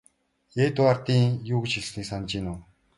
Эдвардын юу гэж хэлснийг санаж байна уу?